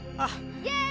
イエーイ！